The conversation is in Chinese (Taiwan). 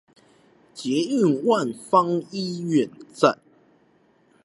捷運萬芳醫院站